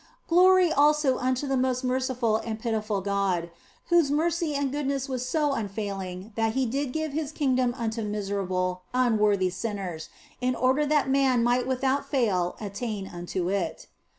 Glory also unto the most merciful and pitiful God, whose mercy and goodness was so unfailing that He did give His kingdom unto miserable, unworthy sinners, in order that man might without fail attain unto it.